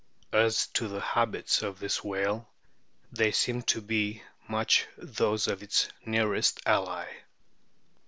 As to the habits of this whale, they seem to be much those of its nearest ally.